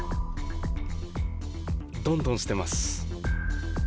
どんどん捨てます。